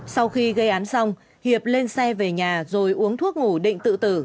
sau khi gây án xong hiệp lên xe về nhà rồi uống thuốc ngủ định tự tử